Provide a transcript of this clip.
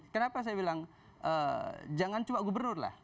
kenapa saya bilang jangan cuma gubernur lah